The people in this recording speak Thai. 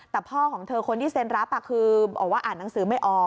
แต่พ่อของเธอคนที่เซ็นรับคือบอกว่าอ่านหนังสือไม่ออก